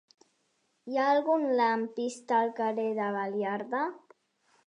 Hi ha algun lampista al carrer de Baliarda?